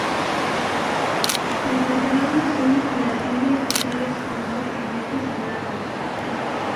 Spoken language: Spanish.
El pantalón azul y las medias azules con dos ribetes blancos.